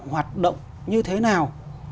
hoạt động như thế nào